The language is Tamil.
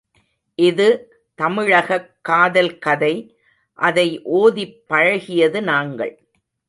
இது தமிழகக் காதல் கதை, அதை ஒதிப் பழகியது நாங்கள்.